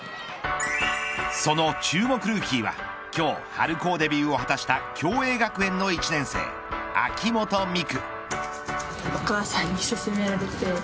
その注目ルーキーは今日、春高デビューを果たした共栄学園の１年生、秋本美空。